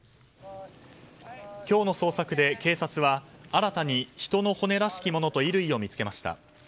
今日の捜索で警察は新たに人の骨らしきものと衣類を見つけました。